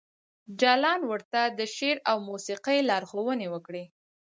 جلان ورته د شعر او موسیقۍ لارښوونې وکړې